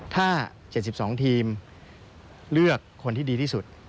ถ้า๗๒ทีมเลือกคนที่ดีที่สุด